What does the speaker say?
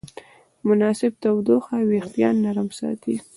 مناسب تودوخه وېښتيان نرم ساتي.